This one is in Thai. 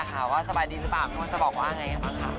หาว่าสบายดีหรือเปล่าพี่โมทจะบอกว่าอย่างไรครับค่ะ